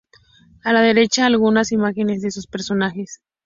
A la derecha algunas imágenes de estos personajes.